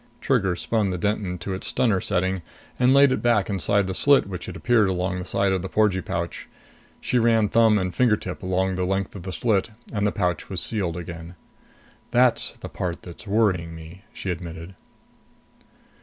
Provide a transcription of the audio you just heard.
Trigger spun the Denton to its stunner setting and laid it back inside the slit which had appeared along the side of the porgee pouch. She ran thumb and finger tip along the length of the slit, and the pouch was sealed again. "That's the part that's worrying me," she admitted.